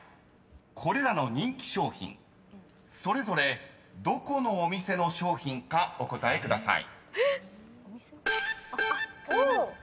［これらの人気商品それぞれどこのお店の商品かお答えください］